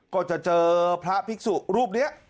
ก็จะเจอพระภิกษุรูปนี้